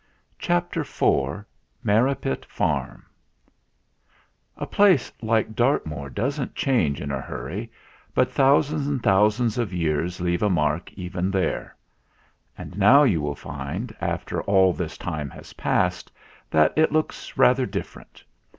CHAPTER IV MERRIPIT FARM A place like Dartmoor doesn't change in a hurry, but thousands and thousands of years leave a mark even there ; and now you will find, after all this time has passed, that it looks rather different.